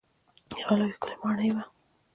یوه لویه ښکلې ماڼۍ وه.